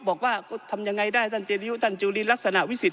บอกว่าก็ทำยังไงได้ท่านเจริยุท่านจุลินลักษณะวิสิทธ